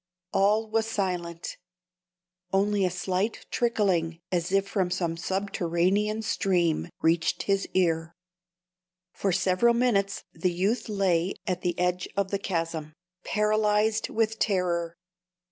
All was silent. Only a slight trickling, as if from some subterranean stream, reached his ear. For several minutes the youth lay at the edge of the chasm, paralyzed with terror.